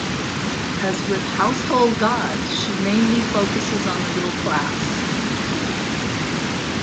As with "Household Gods" she mainly focuses on the middle class.